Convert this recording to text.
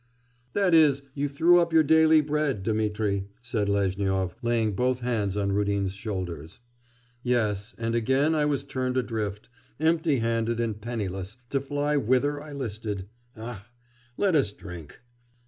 'That is, you threw up your daily bread, Dmitri,' said Lezhnyov, laying both hands on Rudin's shoulders. 'Yes, and again I was turned adrift, empty handed and penniless, to fly whither I listed. Ah! let us drink!